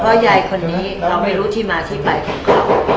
เพราะยายคนนี้เราไม่รู้ที่มาที่ไปของเขา